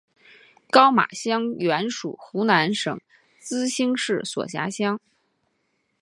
高码乡原属湖南省资兴市所辖乡。